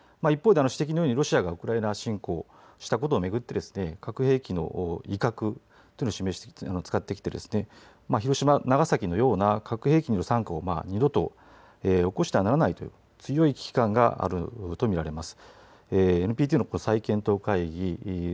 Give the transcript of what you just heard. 一方で、指摘のようにロシアがウクライナを侵攻したことを巡ってですね核兵器の威嚇というのも使ってきて広島、長崎のような核兵器の惨禍は二度と起こしてはならない強い危機感があることになります。